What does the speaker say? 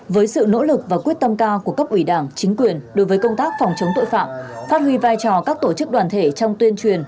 với sự nỗ lực và quyết tâm cao của cấp ủy đảng chính quyền đối với công tác phòng chống tội phạm phát huy vai trò các tổ chức đoàn thể trong tuyên truyền